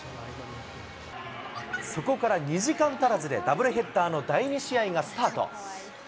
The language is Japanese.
そこから２時間足らずでダブルヘッダーの第２試合がスタート。